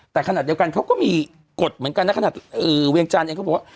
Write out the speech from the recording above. แต่ขณะเดียวกันเขาก็มีกฎเหมือนกันนะขนาดเวียงจันทร์เองเขาบอกว่า